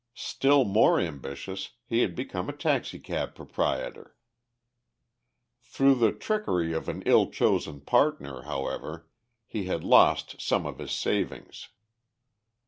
Still more ambitious, he had become a taxicab proprietor. Through the trickery of an ill chosen partner, however, he has lost some of his savings.